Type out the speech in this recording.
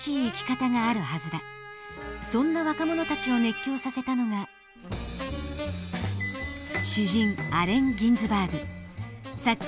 そんな若者たちを熱狂させたのが詩人アレン・ギンズバーグ作家